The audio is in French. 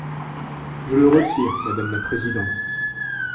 Je le retire, madame la présidente.